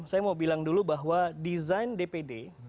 saya mau bilang dulu bahwa desain dpd